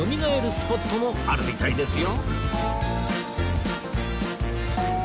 スポットもあるみたいですよ